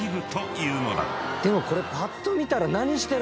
でもこれぱっと見たら。